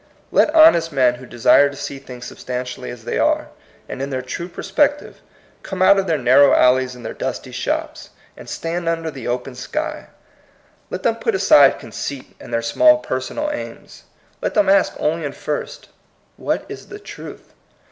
Let honest men who desire to see things substantially as they are, and in their true perspective, come out of their narrow alleys and their dusty shops, and stand under the open sky; let them put aside conceit and THE POINT OF VIEW. 77 their small personal aims; let them ask only and first, What is the truth?